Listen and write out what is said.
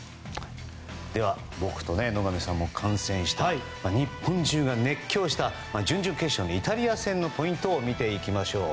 では僕と野上さんも観戦した日本中が熱狂した準々決勝イタリア戦のポイントを見ていきましょう。